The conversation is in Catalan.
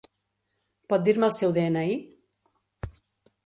Pot dir-me el seu de-ena-i?